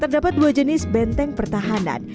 terdapat dua jenis benteng pertahanan